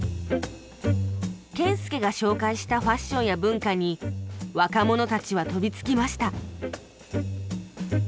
謙介が紹介したファッションや文化に若者たちは飛びつきました